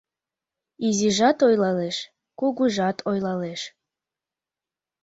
Изижат ойлалеш, кугужат ойлалеш